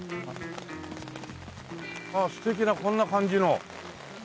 ああ素敵なこんな感じの。